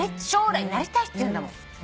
将来なりたいっていうんだもん。